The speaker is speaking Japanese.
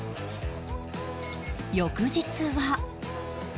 翌日は